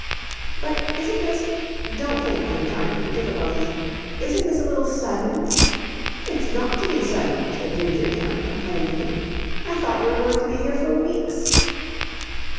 "But isn't this don't think I am trying to make difficulties isn't this a little sudden?" "It's got to be sudden," said Ginger Kemp, complainingly. "I thought you were going to be here for weeks."